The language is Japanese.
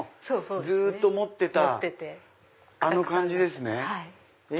ずっと持ってたあの感じですね。